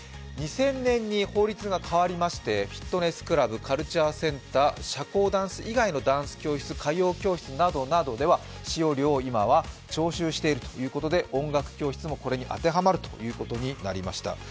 ２０００年に法律が変わりまして、フィットネスクラブ、カルチャーセンター、社交ダンス以外のダンス教室、歌謡教室などでは使用料を今は徴収しているということで、音楽教室もこれに当てはまるということになりました。